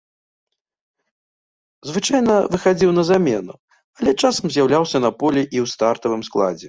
Звычайна выхадзіў на замену, але часам з'яўляўся на полі і ў стартавым складзе.